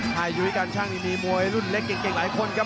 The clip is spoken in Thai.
ไฮยุวิกัญชั่งที่มีมวยรุ่นเล็กเก่งหลายคนครับ